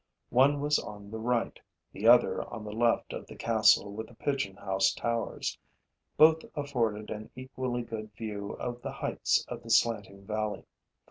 One was on the right, the other on the left of the castle with the pigeon house towers; both afforded an equally good view of the heights of the slanting valley.